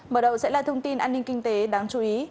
mở đầu sẽ là thông tin an ninh kinh tế đáng chú ý